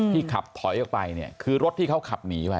ที่ขับถอยออกไปคือรถที่เขาขับหนีไว้